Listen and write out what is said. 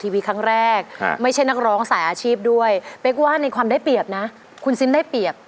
มันได้ฟิวไหมครับได้ฟิวไหมครับได้ฟิวครับ